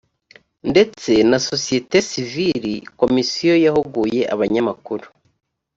ndetse na sosiyete sivili komisiyo yahuguye abanyamakuru